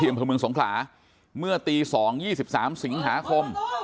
อำเภอเมืองสงขลาเมื่อตี๒๒๓สิงหาคม